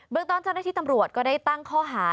เมืองต้นเจ้าหน้าที่ตำรวจก็ได้ตั้งข้อหา